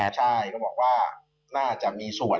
ใช่ก็บอกว่าน่าจะมีส่วน